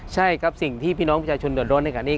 ใช่ครับสิ่งที่พี่น้องประชาชนเดือดร้อนในขณะนี้